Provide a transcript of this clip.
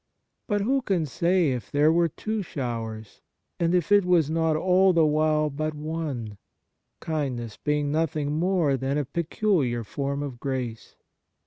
But who can say if there were two showers, and if it was not all the while but one, kindness being nothing more than a peculiar form of grace